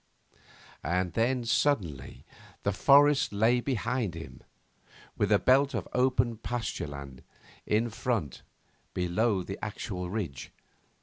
And then suddenly the forest lay behind him, with a belt of open pasture land in front below the actual ridge.